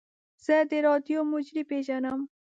زه د راډیو مجری پیژنم.